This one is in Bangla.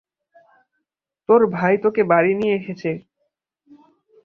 তোর ভাই তোকে বাড়ি নিয়ে এসেছে।